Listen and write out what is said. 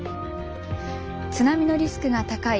津波のリスクが高い